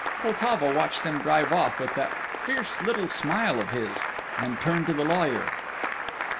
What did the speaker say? Poltavo watched them drive off with that fierce little smile of his, and turned to the lawyer.